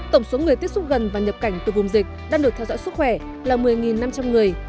tổng số người tiếp xúc gần và nhập cảnh từ vùng dịch đang được theo dõi sức khỏe là một mươi năm trăm linh người